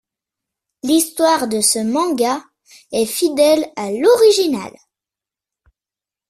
L'histoire de ce manga est fidèle à l'original.